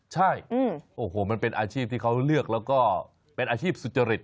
ใช่โอ้โหมันเป็นอาชีพที่เขาเลือกแล้วก็เป็นอาชีพสุจริต